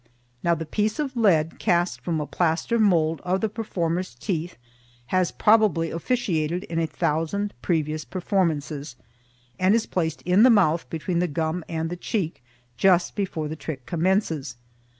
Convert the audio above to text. Now the piece of lead, cast from a plaster mould of the performer's teeth, has probably officiated in a thousand previous performances, and is placed in the mouth between the gum and the cheek, just before the trick commences.